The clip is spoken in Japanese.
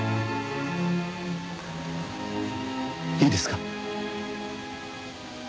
いいですか？